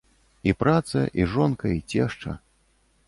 І праца, і жонка, і цешча.